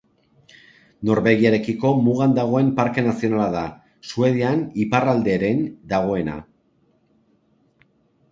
Norvegiarekiko mugan dagoen Parke Nazionala da, Suedian iparralderen dagoena.